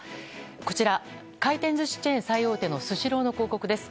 こちら回転寿司チェーン最大手のスシローの広告です。